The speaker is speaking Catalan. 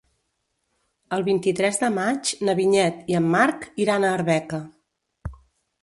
El vint-i-tres de maig na Vinyet i en Marc iran a Arbeca.